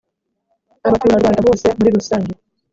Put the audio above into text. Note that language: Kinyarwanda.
abaturarwanda bose muri rusange